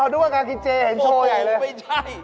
ดูกว่างานคิดเจแฮงโชย์ใหญ่เลยไม่ใช่